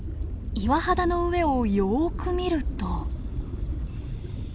岩肌の上をよく見ると。